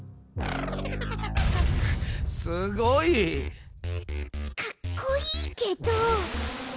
すごい！かっこいいけど。